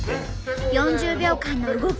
４０秒間の動き